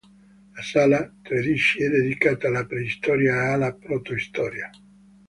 La sala tredici è dedicata alla preistoria e alla protostoria.